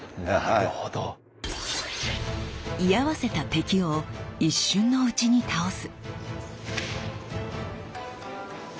居合わせた敵を一瞬のうちに倒す！